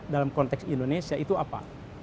dalam konteks indonesia itu apa